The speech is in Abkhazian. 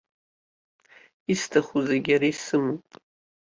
Исҭаху зегьы ара исымоуп.